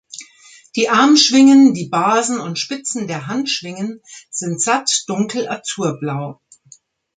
Die Armschwingen, die Basen und Spitzen der Handschwingen sind satt dunkel azurblau.